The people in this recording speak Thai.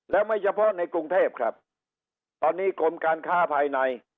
แล้วไม่เฉพาะในกรุงเทพครับตอนนี้กรมการค้าภายใน